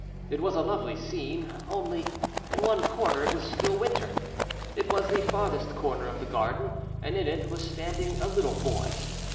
It was a lovely scene, only in one corner it was still winter. It was the farthest corner of the garden, and in it was standing a little boy.